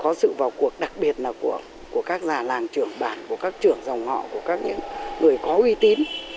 có sự vào cuộc đặc biệt là của các già làng trưởng bản của các trưởng dòng họ của các những người có uy tín